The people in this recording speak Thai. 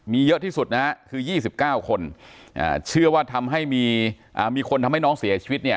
มีเยอะที่สุดนะฮะคือ๒๙คนเชื่อว่าทำให้มีคนทำให้น้องเสียชีวิตเนี่ย